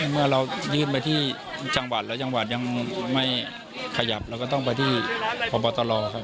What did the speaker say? เมื่อเรายื่นไปที่จังหวัดแล้วจังหวัดยังไม่ขยับเราก็ต้องไปที่พบตรครับ